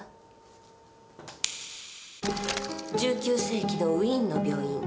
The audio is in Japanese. １９世紀のウィーンの病院。